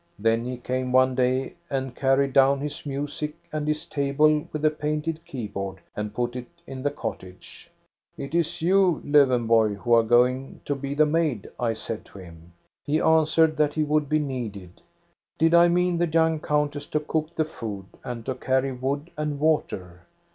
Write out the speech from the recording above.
Then he came one day and carried down his music, and his table with the painted keyboard, and put it in the cottage. * It is you, Lowenborg, who are going to be the maid,' I said to him. He answered that he would be needed. Did I mean the young countess to cook the food, and to carry wood and water?